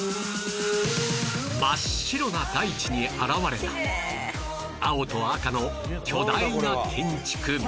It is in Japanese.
真っ白な大地に現れた青と赤の巨大な建築物